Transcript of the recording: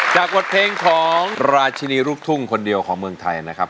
บทเพลงของราชินีลูกทุ่งคนเดียวของเมืองไทยนะครับ